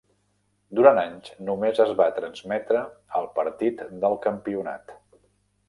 Durant anys, només es va transmetre el partit del campionat.